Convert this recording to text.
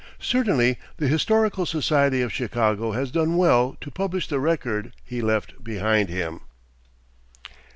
Certainly the Historical Society of Chicago has done well to publish the record he left behind him.